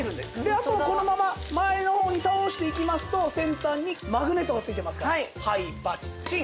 あとはこのまま前の方に倒していきますと先端にマグネットが付いてますからはいパッチン。